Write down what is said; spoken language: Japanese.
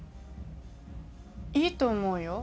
いいと思うよ